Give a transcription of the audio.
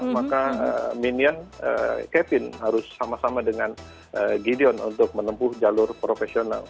maka minion kevin harus sama sama dengan gideon untuk menempuh jalur profesional